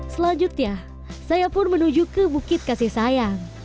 selanjutnya saya pun menuju ke bukit kasih sayang